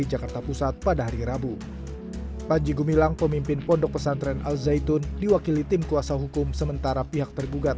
akan mengugat balik panji gumilang secara perdata yakni dua triliun rupiah